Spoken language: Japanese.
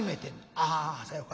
「ああさよか。